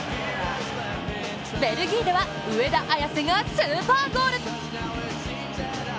ベルギーでは、上田綺世がスーパーゴール。